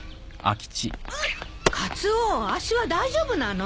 カツオ脚は大丈夫なの？